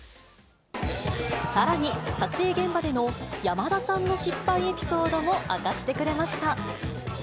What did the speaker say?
さらに、撮影現場での山田さんの失敗エピソードも明かしてくれました。